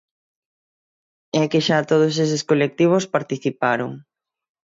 É que xa todos eses colectivos participaron.